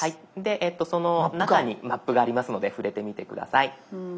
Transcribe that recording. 「マップ」がありますので触れてみて下さい。